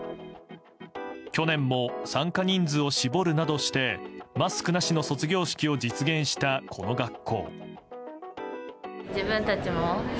去年も参加人数を絞るなどしてマスクなしの卒業式を実現した、この学校。